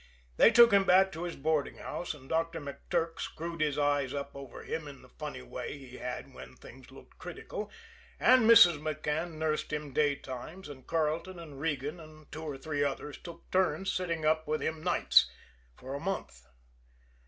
They took him back to his boarding house, and Doctor McTurk screwed his eyes up over him in the funny way he had when things looked critical, and Mrs. McCann nursed him daytimes, and Carleton and Regan and two or three others took turns sitting up with him nights for a month.